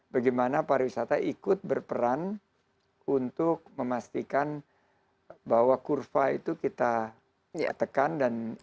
bagaimana pariwisata ikut berperan untuk memastikan bahwa kurva itu kita tekan dan